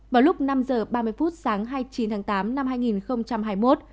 vào lúc năm h ba mươi phút sáng hai mươi chín tháng tám năm hai nghìn hai mươi một